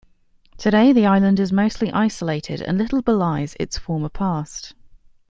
Today the island is mostly isolated and little belies its former past.